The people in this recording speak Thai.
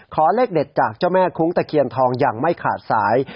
เลขเด็ดจากเจ้าแม่คุ้งตะเคียนทองอย่างไม่ขาดสาย